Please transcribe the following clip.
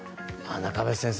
中林先生